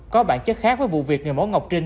có bản chất khác với vụ việc người mẫu ngọc trinh